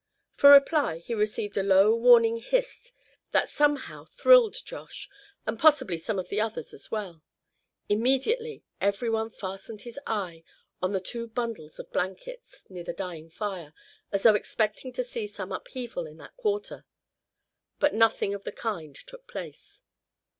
For reply he received a low warning hist that somehow thrilled Josh, and possibly some of the others as well. Immediately every one fastened his eyes on the two bundles of blankets near the dying fire, as though expecting to see some upheaval in that quarter; but nothing of the kind took place.